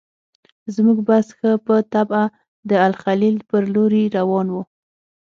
زموږ بس ښه په طبعه د الخلیل پر لوري روان و.